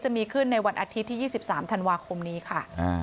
จะมีขึ้นในวันอาทิตย์ที่๒๓ธันวาคมนี้ค่ะ